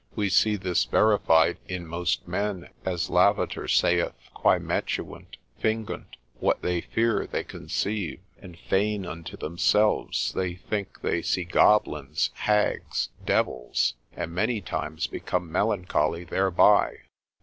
We see this verified in most men, as Lavater saith, Quae metuunt, fingunt; what they fear they conceive, and feign unto themselves; they think they see goblins, hags, devils, and many times become melancholy thereby.